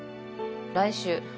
来週。